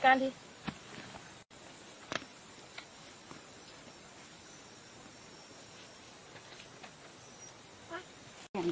อ่าอืม